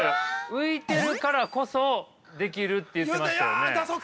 浮いてるからこそできるって言ってましたよね。